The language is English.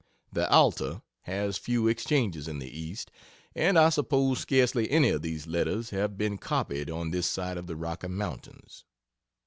The "Alta" has few exchanges in the East, and I suppose scarcely any of these letters have been copied on this side of the Rocky Mountains.